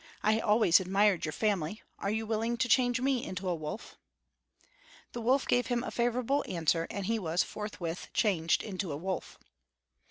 I always admired your family; are you willing to change me into a wolf?" The wolf gave him a favorable answer, and he was forthwith changed into a wolf.